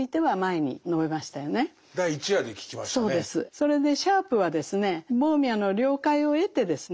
それでシャープはですねボーミャの了解を得てですね